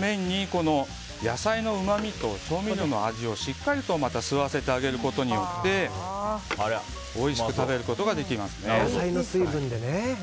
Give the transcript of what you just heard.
麺に野菜のうまみと調味料の味をしっかりと吸わせてあげることでおいしく食べることができますね。